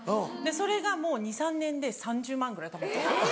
それがもう２３年で３０万円ぐらいたまっちゃった。